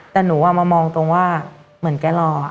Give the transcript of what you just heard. แต่หนูมามองตรงว่าเหมือนแกรอ